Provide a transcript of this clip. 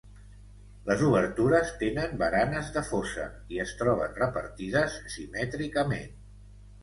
Les obertures tenen baranes de fosa i es troben repartides simètricament.